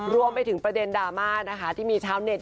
รวมไปถึงประเด็นดราม่านะคะที่มีชาวเน็ต